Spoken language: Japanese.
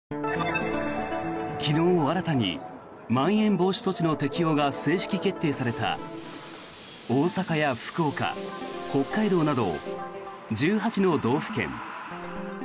昨日新たにまん延防止措置の適用が正式決定された大阪や福岡、北海道など１８の道府県。